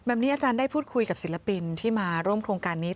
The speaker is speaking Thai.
แบบนี้อาจารย์ได้พูดคุยกับศิลปินที่มาร่วมโครงการนี้